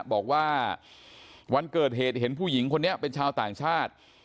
บอกว่าวันเกิดเหตุเห็นผู้หญิงคนนี้เป็นชาวต่างชาติ